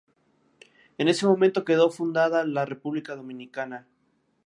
En ese momento quedó fundada la República Dominicana.